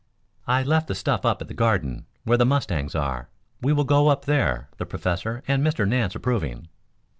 "I left the stuff up at the Garden, where the mustangs are. We will go up there, the Professor and Mr. Nance approving."